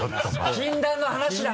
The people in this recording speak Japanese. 禁断の話だな！